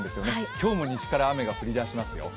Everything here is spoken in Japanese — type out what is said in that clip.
今日も西から雨が降り出しますよ。